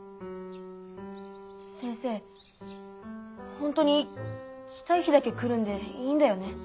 ほんとに来たい日だけ来るんでいいんだよね。